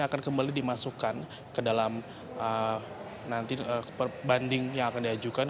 akan kembali dimasukkan ke dalam nanti banding yang akan diajukan